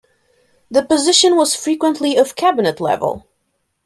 The position was frequently of cabinet level.